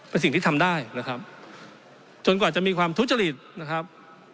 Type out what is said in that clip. เป็นสิ่งที่ทำได้นะครับจนกว่าจะมีความทุจริตนะครับ